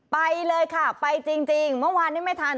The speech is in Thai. ไปเลยค่ะไปจริงเมื่อวานนี้ไม่ทัน